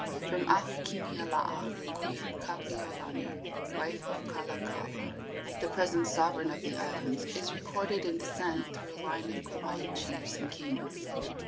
From Ahukini a Laa Queen Kapiolani, wife of Kalakaua, the present sovereign of the islands, is recorded in descent through a line of Kauaian chiefs and kings.